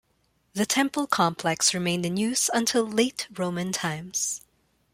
The temple complex remained in use until late Roman times.